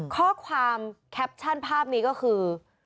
ข้อความแคปชั่นภาพนี้ก็คือ